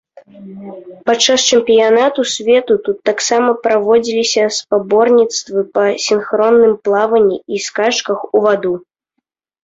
Падчас чэмпіянату свету тут таксама праводзіліся спаборніцтвы па сінхронным плаванні і скачках у ваду.